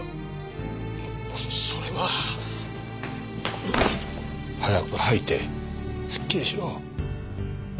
それは。早く吐いてすっきりしろ。